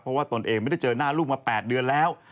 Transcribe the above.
เพราะว่าตนเองไม่ได้เจอหน้าลูกมา๘เดือนแล้ว